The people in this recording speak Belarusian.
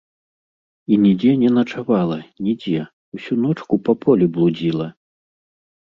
І нідзе не начавала, нідзе, усю ночку па полі блудзіла.